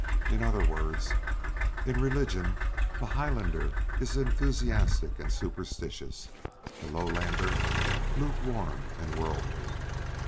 In other words, in religion the highlander is enthusiastic and superstitious, the low lander lukewarm and worldly.